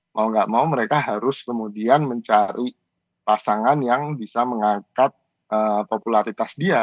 mau nggak mau mereka harus kemudian mencari pasangan yang bisa mengangkat popularitas dia